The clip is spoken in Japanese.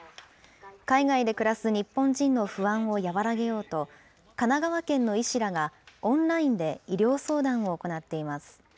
海外で暮らす日本人の不安を和らげようと、神奈川県の医師らがオンラインで医療相談を行っています。